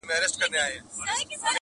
د خټک توره کندهار نه تر اټکه لاړه